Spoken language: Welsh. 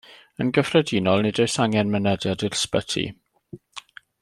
Yn gyffredinol nid oes angen mynediad i'r ysbyty.